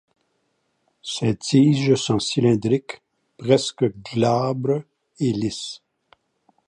Ses tiges sont cylindriques, presque glabres et lisses.